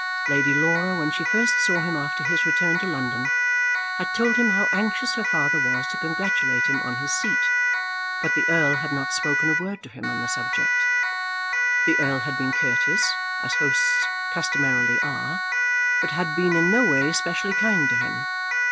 Lady Laura, when she first saw him after his return to London, had told him how anxious her father was to congratulate him on his seat, but the Earl had not spoken a word to him on the subject. The Earl had been courteous, as hosts customarily are, but had been in no way specially kind to him.